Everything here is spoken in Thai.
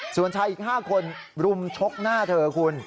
ส่วนชายอีก๕คนรุมชกหน้าเธอคุณ